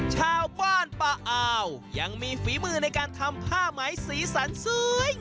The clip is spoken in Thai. ชาวบ้านป่าอาวยังมีฝีมือในการทำผ้าไหมสีสันสวย